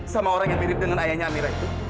sama orang yang mirip dengan ayahnya amira itu